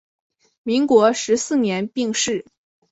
民国十四年病逝。